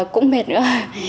cũng mệt nữa